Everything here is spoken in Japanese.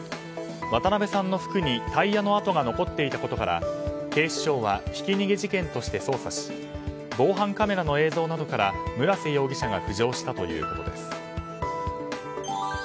渡辺さんの服にタイヤの跡が残っていたことから警視庁はひき逃げ事件として捜査し防犯カメラの映像などから村瀬容疑者が浮上したということです。